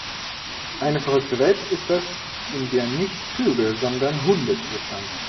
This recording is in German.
Eine verrückte Welt ist das, in der nicht Vögel, sondern Hunde zwitschern!